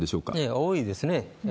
多いですね。